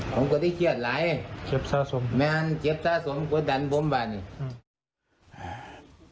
ผมก็ได้เชียดหลายเจ็บซ่าสมมันเจ็บซ่าสมกว่าดันพ่อมัน